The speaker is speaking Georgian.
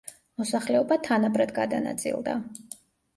მოსახლეობა თანაბრად გადანაწილდა.